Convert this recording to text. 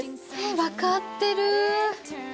分かってる。